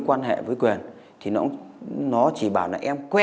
anh không phải là em